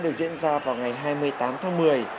được diễn ra vào ngày hai mươi tám tháng một mươi